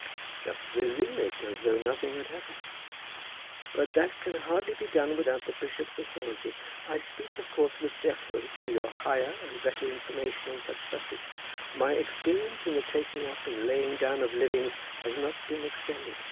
"Just resume it, as though nothing had happened." "But that may hardly be done without the bishop's authority. I speak, of course, with deference to your higher and better information on such subjects. My experience in the taking up and laying down of livings has not been extended.